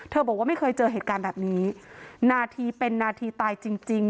บอกว่าไม่เคยเจอเหตุการณ์แบบนี้นาทีเป็นนาทีตายจริงจริง